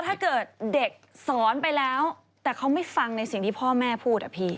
ถ้าเกิดเด็กสอนไปแล้วแต่เขาไม่ฟังในสิ่งที่พ่อแม่พูดอะพี่